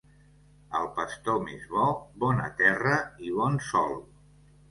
El pastor més bo, bona terra i bon sol.